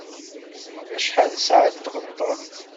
Acḥal sɛan n tɣeṭṭen?